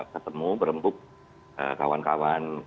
ketemu berempuk kawan kawan